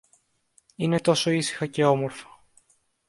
Είναι τόσο ήσυχα και όμορφα!